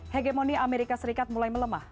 hegemoni amerika serikat mulai melemah